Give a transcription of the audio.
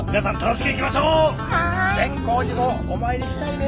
善光寺もお参りしたいね。